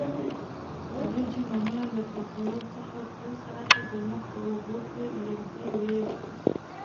وریجې معمولاً له پخولو څخه څو ساعته د مخه په اوبو کې لمدوي.